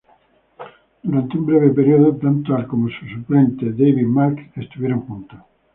Durante un breve período, tanto Al como su suplente David Marks, estuvieron juntos.